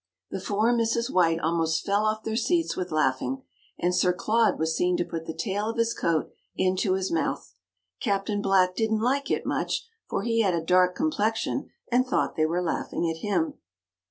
The four Misses White almost fell off their seats with laughing, and Sir Claude was seen to put the tail of his coat into his mouth; Captain Black didn't like it much, for he had a dark complexion and thought they were laughing at him.